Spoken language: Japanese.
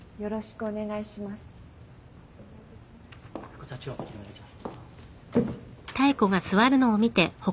こちら中央お願いします。